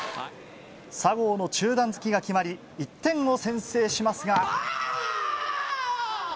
佐合の中段突きが決まり１点を先制しますが。